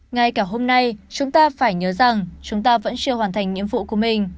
ngay cả hôm nay chúng ta phải nhớ rằng chúng ta vẫn chưa hoàn thành nhiệm vụ của mình